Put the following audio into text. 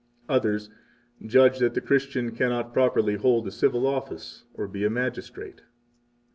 Others judge that the Christian cannot properly hold a civil office or be a magistrate.